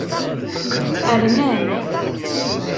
Rnan.